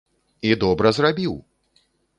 - I добра зрабiў!